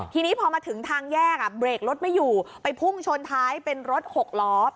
ทีนี้พอมาถึงทางแยกเบรกรถไม่อยู่ไปพุ่งชนท้ายเป็นรถหกล้อ